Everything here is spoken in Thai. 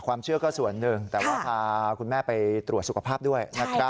ความเชื่อก็ส่วนหนึ่งแต่ว่าพาคุณแม่ไปตรวจสุขภาพด้วยนะครับ